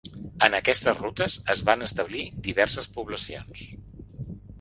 En aquestes rutes es van establir diverses poblacions.